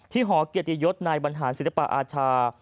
ที่หอเกียรติยศในบรรหารศิริปะอาชา